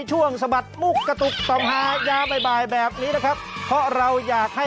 คู่กับสะบัดเผา